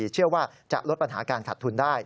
เชื่อว่าจะลดปัญหาการขัดทุนได้